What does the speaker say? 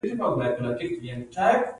د کابل اوبه ولې کمې شوې؟